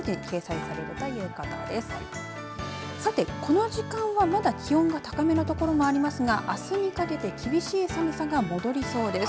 さてこの時間はまだ気温が高めの所もありますがあすにかけて厳しい寒さが戻りそうです。